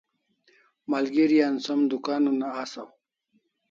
Malgeri an som dukan una asaw